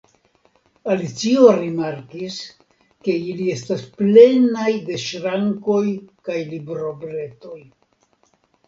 Alicio rimarkis ke ili estas plenaj de ŝrankoj kaj librobretoj.